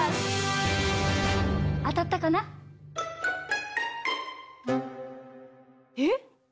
あたったかな？え？